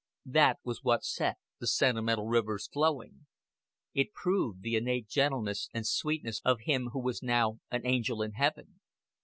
That was what set the sentimental rivers flowing. It proved the innate gentleness and sweetness of him who was now an angel in Heaven.